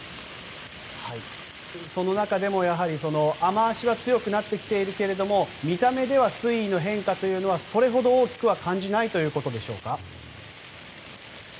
その中でも、雨脚は強くなってきているけれども見た目では、水位の変化はそれほど大きくは感じないということでしょうか。